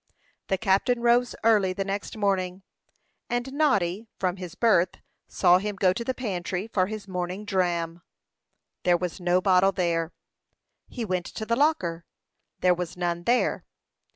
The captain rose early the next morning, and Noddy, from his berth, saw him go to the pantry for his morning dram. There was no bottle there. He went to the locker; there was none there.